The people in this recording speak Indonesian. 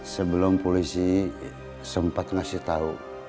sebelum polisi sempat ngasih tahu